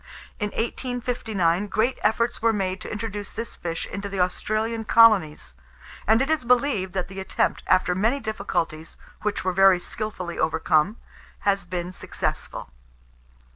In 1859, great efforts were made to introduce this fish into the Australian colonies; and it is believed that the attempt, after many difficulties, which were very skilfully overcome, has been successful.